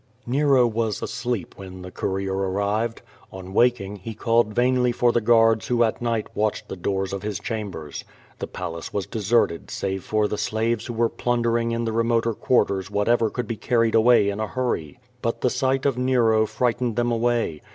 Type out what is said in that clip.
Xero v.as asleep when the courier arrived. On waking he called vainly for the guards who at night watched the doors of his chambers. The palace was deserted save for the slave* who were plundering in the remoter quarters whatever couUl be carried away in a hurry. But the sight of Nero frightened them away.